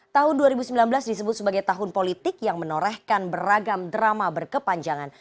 tahun dua ribu sembilan belas disebut sebagai tahun politik yang menorehkan beragam drama berkepanjangan